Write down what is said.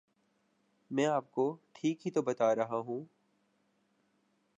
میں آپ کو ٹھیک ہی تو بتارہا ہوں